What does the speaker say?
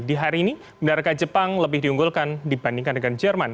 di hari ini benarkah jepang lebih diunggulkan dibandingkan dengan jerman